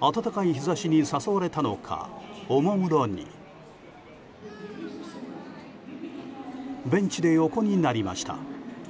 暖かい日差しに誘われたのかおもむろにベンチで横になりました。